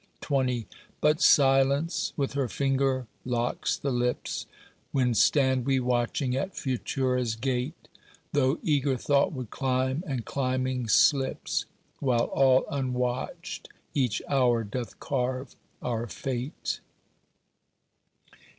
XX But silence with her finger locks the lips, When stand we watching at Futura's gate; Though eager thought would climb, and climbing slips; While, all unwatched, each hour doth carve our fate.